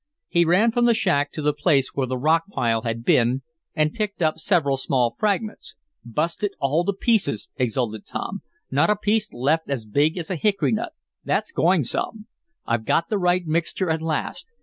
He ran from the shack to the place where the rock pile had been, and picked up several small fragments. "Busted all to pieces!" exulted Tom Swift. "Not a piece left as big as a hickory nut. That's going some! I've got the right mixture at last.